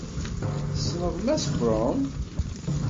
Tessneḍ Mass Braun?